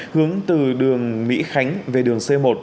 hướng từ đường mỹ khánh về đường c một